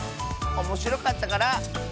おもしろかったから。